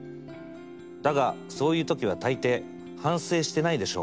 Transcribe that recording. だがそういうときは大抵『反省してないでしょ！